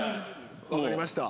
分かりました